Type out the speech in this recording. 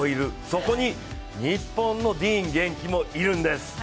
そこに日本のディーン元気もいるんです。